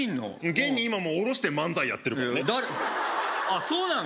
現に今も降ろして漫才やってる誰あっそうなの？